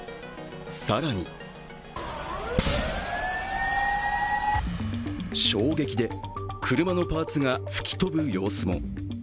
更に衝撃で車のパーツが吹き飛ぶ様子も。